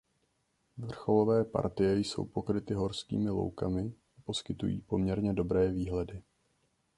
Vrcholové partie jsou pokryty horskými loukami a poskytují poměrně dobré výhledy.